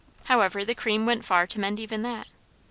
However, the cream went far to mend even that.